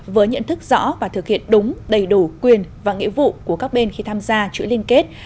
với nhận thức rõ và thực hiện đúng đầy đủ quyền và nghĩa vụ của các bên khi tham gia chuỗi liên kết